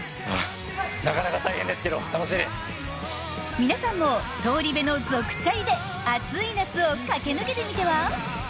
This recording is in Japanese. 皆さんも「東リベ」の族チャリで暑い夏を駆け抜けてみては？